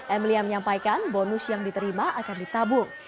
emilia menyampaikan bonus yang diterima akan ditabung